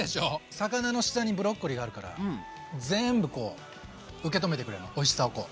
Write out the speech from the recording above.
魚の下にブロッコリーがあるから全部こう受け止めてくれるのおいしさをこう。